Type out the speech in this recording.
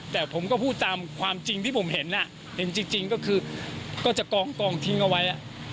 แต่ผมก็พูดตามความจริงที่ผมเห็นเห็นจริงก็คือก็จะกองทิ้งเอาไว้